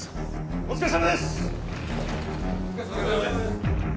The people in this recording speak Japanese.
お疲れさまです